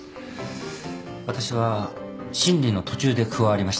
私は審理の途中で加わりました。